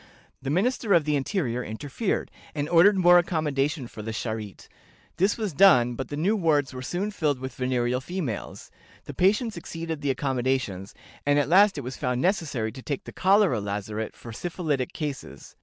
The Minister of the Interior interfered, and ordered more accommodation for the Charité. This was done, but the new wards were soon filled with venereal females; the patients exceeded the accommodations, and at last it was found necessary to take the Cholera Lazaret for syphilitic cases.